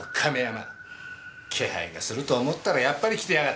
気配がすると思ったらやっぱり来てやがった。